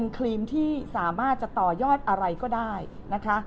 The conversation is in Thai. ครีมที่สามารถจะต่อยอดอะไรก็ได้นะคะ